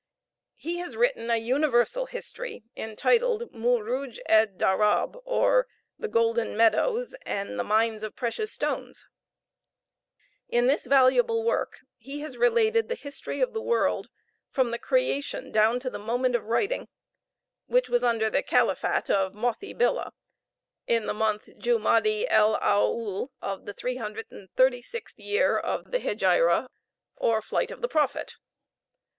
He has written a universal history, entitled, "Mouroudge ed dharab or the Golden Meadows, and the Mines of Precious Stones." In this valuable work he has related the history of the world, from the creation down to the moment of writing; which was under the Khaliphat of Mothi Billah, in the month Dgioumadi el aoual of the 336th year of the Hegira or flight of the Prophet.